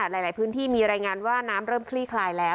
หลายพื้นที่มีรายงานว่าน้ำเริ่มคลี่คลายแล้ว